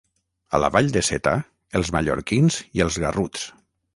A la vall de Seta, els mallorquins i els garruts.